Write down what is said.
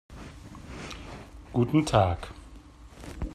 Guten Tag.